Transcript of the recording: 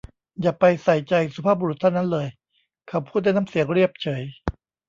อย่าไปใส่ใจสุภาพบุรุษท่านนั้นเลย เขาพูดด้วยน้ำเสียงเรียบเฉย